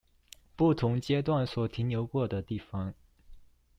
不同階段所停留過的地方